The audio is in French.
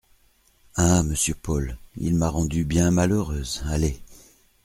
Ah ! monsieur Paul, il m’a rendue bien malheureuse… allez !